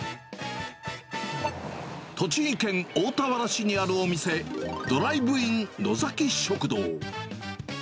栃木県大田原市にあるお店、ドライブインのざき食堂。